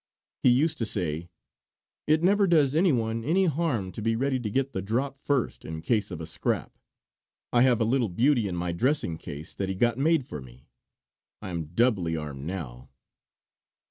He used to say 'It never does any one any harm to be ready to get the drop first, in case of a scrap!' I have a little beauty in my dressing case that he got made for me. I am doubly armed now."